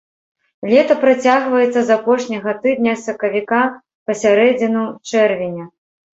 Лета працягваецца з апошняга тыдня сакавіка па сярэдзіну чэрвеня.